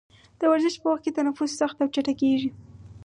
د ورزش په وخت کې تنفس سخت او چټکېږي.